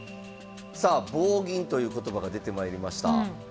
さあ棒銀という言葉が出てまいりました。